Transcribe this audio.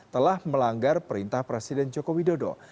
telah melanggar perintah presiden jokowi dodo